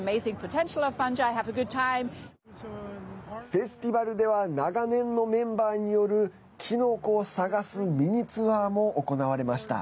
フェスティバルでは長年のメンバーによるキノコを探すミニツアーも行われました。